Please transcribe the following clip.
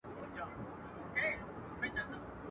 فخر په پلار او په نیکونو کوي.